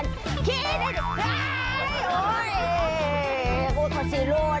น้ำจีบกล้านั่นเป็นผู้สาวครูบ้า